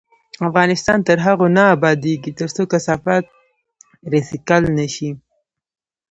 افغانستان تر هغو نه ابادیږي، ترڅو کثافات ریسایکل نشي.